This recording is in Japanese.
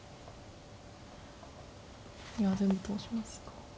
いやでも通しますか。